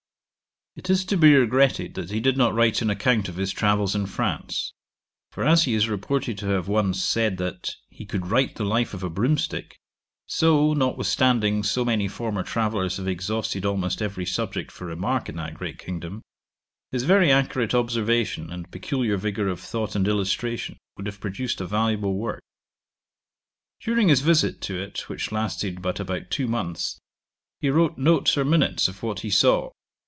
It is to be regretted that he did not write an account of his travels in France; for as he is reported to have once said, that 'he could write the Life of a Broomstick,' so, notwithstanding so many former travellers have exhausted almost every subject for remark in that great kingdom, his very accurate observation, and peculiar vigour of thought and illustration, would have produced a valuable work. During his visit to it, which lasted but about two months, he wrote notes or minutes of what he saw.